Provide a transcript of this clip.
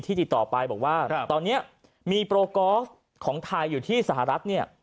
ติดต่อไปบอกว่าตอนนี้มีโปรกอล์ฟของไทยอยู่ที่สหรัฐเนี่ย